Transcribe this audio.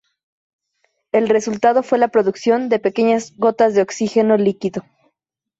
El resultado fue la producción de pequeñas gotas de oxígeno líquido.